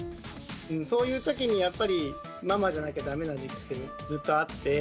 そういうときにやっぱりママじゃなきゃダメな時期ってずっとあって。